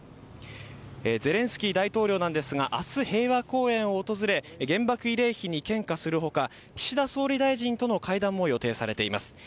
ゼレンスキー大統領なんですが明日、平和公園を訪れ原爆慰霊碑に献花する他岸田総理大臣との会談も予定されています。